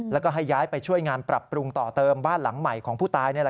แล้วก็ให้ย้ายไปช่วยงานปรับปรุงต่อเติมบ้านหลังใหม่ของผู้ตาย